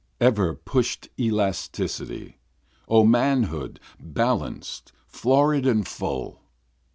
ever push'd elasticity! O manhood, balanced, florid and full.